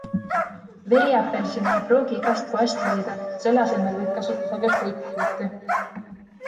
Veriapelsini ei pruugi igast poest leida, selle asemel võid kasutada ka greipfruuti.